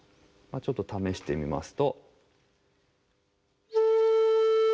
ちょっと試してみますと。